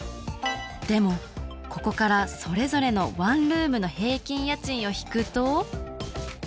でもここからそれぞれのワンルームの平均家賃を引くと。